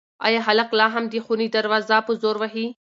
ایا هلک لا هم د خونې دروازه په زور وهي؟